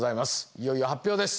いよいよ発表です。